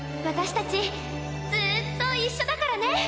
私たちずっと一緒だからね。